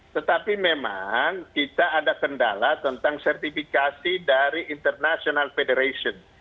tetapi memang kita ada kendala tentang sertifikasi dari international federation